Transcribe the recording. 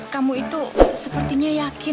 kamu itu sepertinya yakin